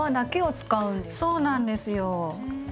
そうなんですよ。